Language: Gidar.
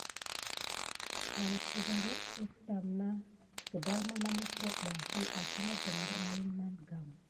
Ho ni def akine sucko apane sine birayane nani game.